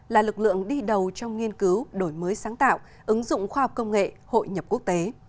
là lực lượng đi đầu trong nghiên cứu đổi mới sáng tạo ứng dụng khoa học công nghệ hội nhập quốc tế